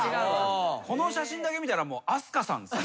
この写真だけ見たらもうＡＳＫＡさんですよ。